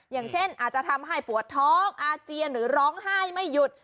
อย่างเช่นอาจจะทำให้ปวดท้องอาเจียนหรือร้องไห้ไม่หยุด